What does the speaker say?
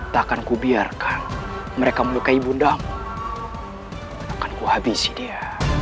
takanku biarkan mereka melukai bunda mu akan kuhabisi dia